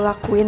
masuk ke dalam